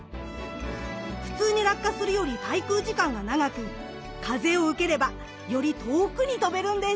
普通に落下するより滞空時間が長く風を受ければより遠くに飛べるんです。